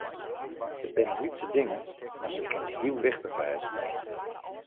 It binne lytse dingen, mar se kinne heel wichtich wêze.